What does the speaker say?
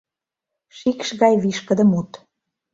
Шикш гай вишкыде мут.